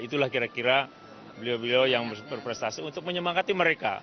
itulah kira kira beliau beliau yang berprestasi untuk menyemangati mereka